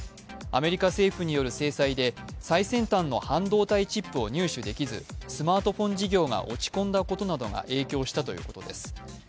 アメリカ政府による制裁で最先端の半導体チップを入手できずスマートフォン事業が落ち込んだことなどが影響したということです。